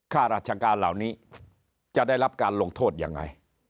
ข้าราชการเหล่านี้จะได้รับการลงโทษยังไง